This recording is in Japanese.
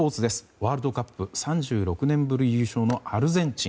ワールドカップ３６年ぶり優勝のアルゼンチン。